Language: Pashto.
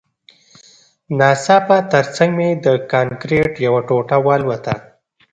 ناڅاپه ترڅنګ مې د کانکریټ یوه ټوټه والوته